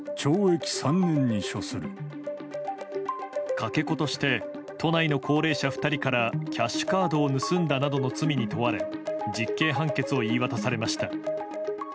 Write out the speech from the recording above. かけ子として都内の高齢者２人からキャッシュカードを盗んだなどの罪に問われ実刑判決を言い渡されました。